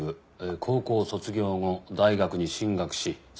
高校卒業後大学に進学しその後。